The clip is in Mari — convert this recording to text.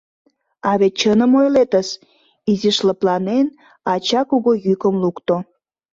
— А вет чыным ойлетыс! — изишак лыпланен, ача кугу йӱкым лукто.